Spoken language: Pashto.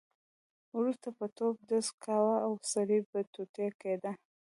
وروسته به توپ ډز کاوه او سړی به ټوټې کېده.